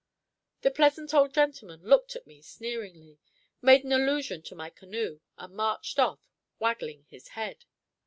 The pleasant old gentleman looked at me sneeringly, made an allusion to my canoe, and marched of, waggling his head.